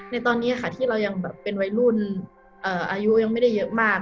ในตอนนี้ค่ะที่เรายังแบบเป็นวัยรุ่นอายุยังไม่ได้เยอะมาก